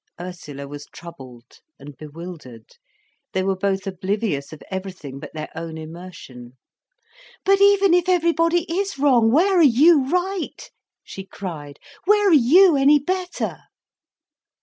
Ursula was troubled and bewildered, they were both oblivious of everything but their own immersion. "But even if everybody is wrong—where are you right?" she cried, "where are you any better?"